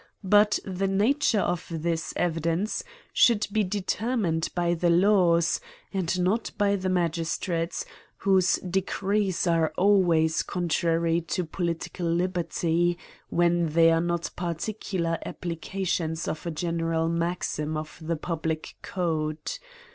But the nature of this evidence should be determined by the laws, and not by the magistrates, whose de crees are always contrary to political liberty, when they are not particular applications of a general maxim of the public code.